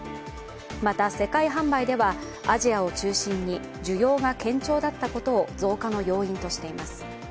また、世界販売ではアジアを中心に需要が堅調だったことを増加の要因としています。